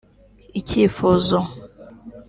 ‘Icyifuzo’